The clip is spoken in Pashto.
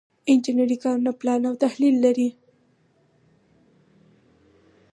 انجنري کارونه پلان او تحلیل لري.